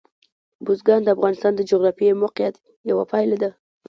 بزګان د افغانستان د جغرافیایي موقیعت یوه پایله ده.